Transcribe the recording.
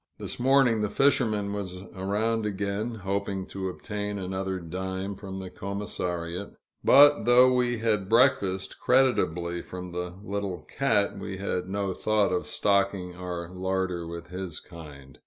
This morning the fisherman was around again, hoping to obtain another dime from the commissariat; but though we had breakfasted creditably from the little "cat," we had no thought of stocking our larder with his kind.